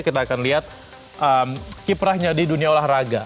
kita akan lihat kiprahnya di dunia olahraga